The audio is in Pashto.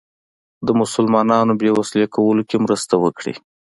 د مسلمانانو بې وسلو کولو کې مرسته وکړي.